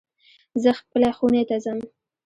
زه خپلی خونی ته ځم